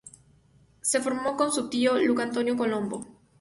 Se formó con su tío, Luca Antonio Colombo.